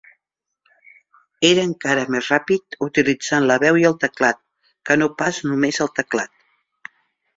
Era encara més ràpid utilitzant la veu i el teclat que no pas només el teclat.